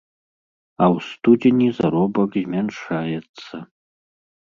А ў студзені заробак змяншаецца.